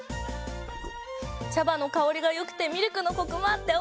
茶葉の香りがよくてミルクのコクもあっておいしい！